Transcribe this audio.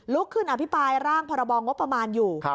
ลุกขึ้นอภิปรายร่างพบว่าประมาณอยู่